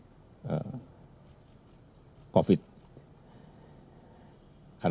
karena kita tahu bahwa penyebaran covid sembilan belas sampai saat ini di tanah air memang belum semua